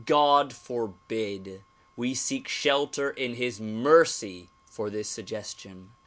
God forbid! We seek shelter in his mercy for this suggestion